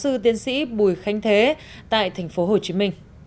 sư tiến sĩ bùi khánh thế tại tp hcm